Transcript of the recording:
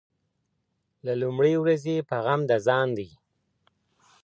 له لومړۍ ورځي په غم د ځان دی